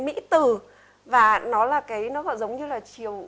mỹ từ và nó là cái nó giống như là chiều